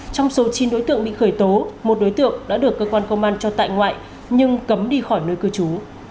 trong số chín đối tượng bị khởi tố một đối tượng đã được cơ quan công an cho tại ngoại nhưng cấm đi khỏi nơi cư trú